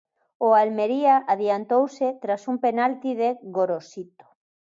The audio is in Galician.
O Almería adiantouse tras un penalti de Gorosito.